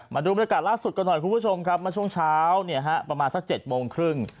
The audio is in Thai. มาดูบริการล่าสุดกันหน่อยคุณผู้ชมมาช่วงเช้าประมาณ๗โมงครึ่ง